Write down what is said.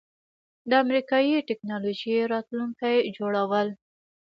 د امریکایی ټیکنالوژۍ راتلونکی جوړول